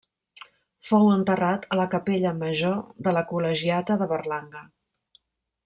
Fou enterrat a la capella major de la col·legiata de Berlanga.